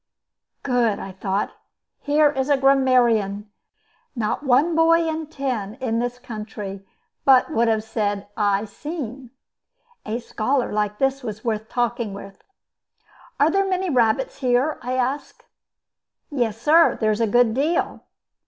"Good!" I thought. "Here is a grammarian. Not one boy in ten in this country but would have said 'I seen.'" A scholar like this was worth talking with. "Are there many rabbits here?" I asked. "Yes, sir, there's a good deal."